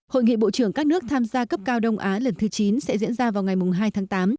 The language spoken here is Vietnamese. hội nghị bộ trưởng các nước tham gia cấp cao đông á lần thứ chín sẽ diễn ra vào ngày hai tháng tám